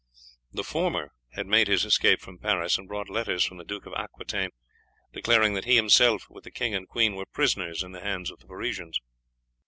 The former had made his escape from Paris, and brought letters from the Duke of Aquitaine declaring that he himself, with the king and queen, were prisoners in the hands of the Parisians.